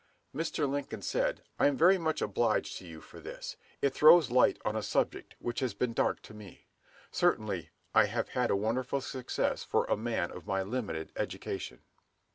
Mr. Lincoln said, "I am very much obliged to you for this. It throws light on a subject which has been dark to me. Certainly I have had a wonderful success for a man of my limited education."